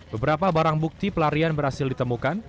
beberapa barang bukti pelarian berhasil ditemukan